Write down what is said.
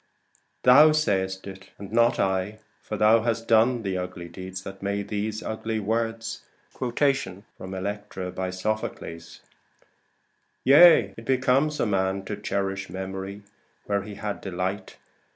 Thou sayst it, and not I; for thou hast done The ugly deed that made these ugly words. SOPHOCLES: Electra. Yea, it becomes a man To cherish memory, where he had delight.